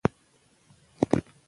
ماشومانو ته د ادب درس ورکړئ.